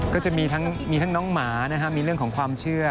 ก็จะมีทั้งน้องหมามีเรื่องของความเชื่อ